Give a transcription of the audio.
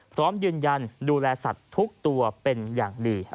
พร้อมยืนยันดูแลสัตว์ทุกตัวเป็นอย่างดี